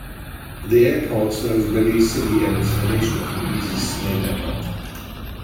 The airport serves Belize City and is the nation of Belize's main airport.